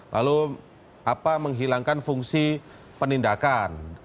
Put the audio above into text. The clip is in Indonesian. lalu menghilangkan fungsi penindakan